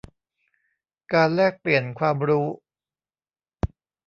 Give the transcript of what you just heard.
การแลกเปลี่ยนความรู้